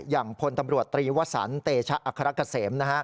อย่างพลตำรวจตรีวสันเตชะอัครกะเสม